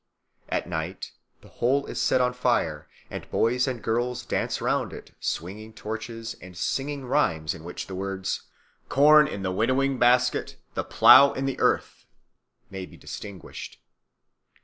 At night the whole is set on fire and boys and girls dance round it, swinging torches and singing rhymes in which the words "corn in the winnowing basket, the plough in the earth" may be distinguished.